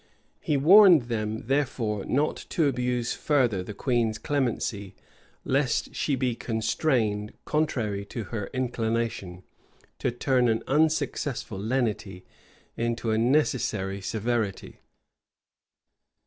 He warned them, therefore, not to abuse further the queen's clemency, lest she be constrained, contrary to her inclination, to turn an unsuccessful lenity into a necessary severity.